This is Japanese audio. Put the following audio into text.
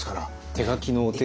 手書きのお手紙？